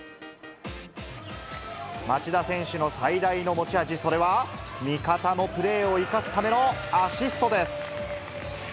町田選手の最大の持ち味、それは味方のプレーを生かすためのアシストです。